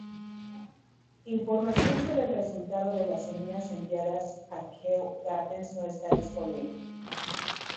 Información sobre el resultado de las semillas enviadas a Kew Gardens no está disponible.